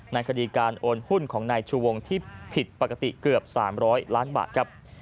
ในคดีการโอนหุ้นของนายชูวงที่ผิดปกติเกือบ๓๐๐ล้านบาทครับ